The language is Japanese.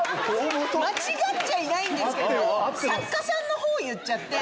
間違っちゃいないんですけど作家さんのほうを言っちゃって。